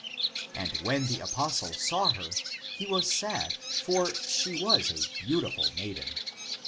And when the apostle saw her, he was sad, for she was a beautiful maiden.